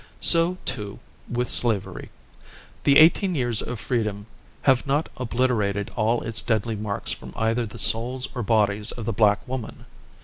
So, too, with slavery. The eighteen years of freedom have not obliterated all its deadly marks from either the souls or bodies of the black woman.